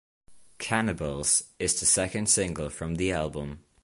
"Cannibals" is the second single from the album.